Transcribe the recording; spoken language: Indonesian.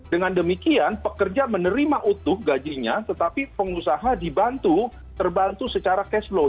dengan demikian pekerja menerima utuh gajinya tetapi pengusaha dibantu terbantu secara cash flow